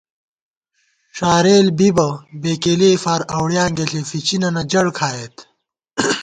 ݭارېل بی بہ بېکېلےفار اوڑیانگےݪی فِچِنَنَہ جڑ کھائیت